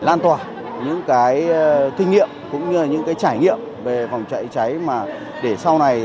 lan tòa những cái thinh nghiệm cũng như những cái trải nghiệm về phòng cháy cháy mà để sau này